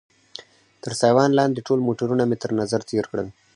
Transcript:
تر سایوان لاندې ټول موټرونه مې تر نظر تېر کړل.